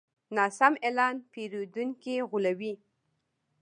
ناسم اعلان پیرودونکي غولوي.